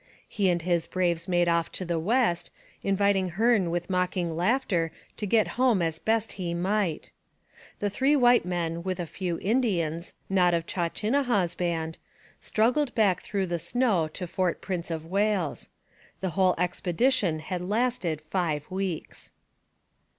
He and his braves made off to the west, inviting Hearne with mocking laughter to get home as best he might. The three white men with a few Indians, not of Chawchinahaw's band, struggled back through the snow to Fort Prince of Wales. The whole expedition had lasted five weeks.